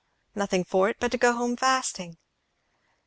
Nothing for it but to go home fasting."